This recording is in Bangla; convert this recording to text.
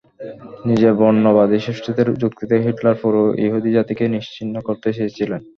নিজের বর্ণবাদী শ্রেষ্ঠত্বের যুক্তিতে হিটলার পুরো ইহুদি জাতিকে নিশ্চিহ্ন করতে চেয়েছিলেন।